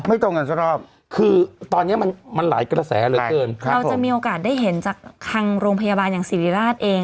ตรงกันสักรอบคือตอนเนี้ยมันมันหลายกระแสเหลือเกินครับเราจะมีโอกาสได้เห็นจากทางโรงพยาบาลอย่างสิริราชเอง